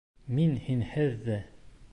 Мин һинһеҙ ҙә!..